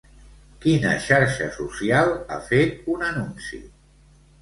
Quina xarxa social ha fet un anunci?